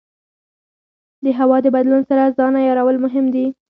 د هوا د بدلون سره ځان عیارول مهم دي.